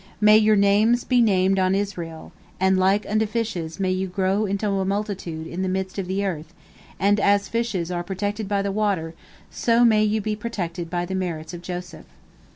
May your names be named on Israel, and like unto fishes may you grow into a multitude in the midst of the earth, and as fishes are protected by the water, so may you be protected by the merits of Joseph."